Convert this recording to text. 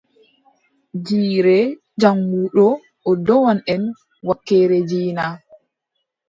Jiire jaŋnguɗo, o ɗowan en wakkeere diina.